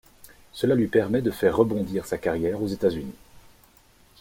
Cela lui permet de faire rebondir sa carrière aux États-Unis.